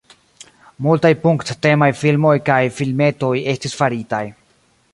Multaj punk-temaj filmoj kaj filmetoj estis faritaj.